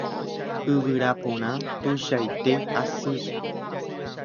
Yvyra porã tuichaite asy